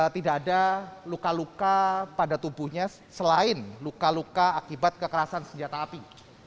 tidak ada luka luka pada tubuhnya selain luka luka akibat kekerasan senjata api